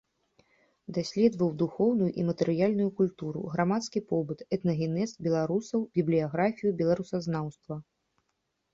Даследаваў духоўную і матэрыяльную культуру, грамадскі побыт, этнагенез беларусаў, бібліяграфію беларусазнаўства.